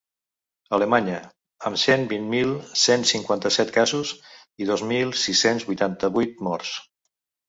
Alemanya, amb cent vint mil cent cinquanta-set casos i dos mil sis-cents vuitanta-vuit morts.